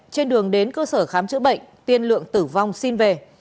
trên đường đến cơ sở khám chữa bệnh tiên lượng tử vong xin về